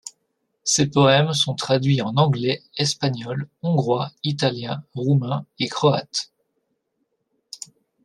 Ses poèmes sont traduits en anglais, espagnol, hongrois, italien, roumain et croate.